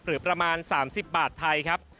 หรือประมาณ๓๐บาทไทยครับ